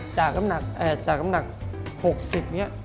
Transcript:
จากน้ำหนัก๖๐นี้